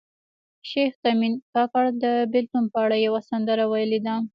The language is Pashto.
شیخ تیمن کاکړ د بیلتون په اړه یوه سندره ویلې ده